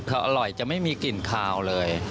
เพราะอร่อยจะไม่มีกลิ่นขาวเลย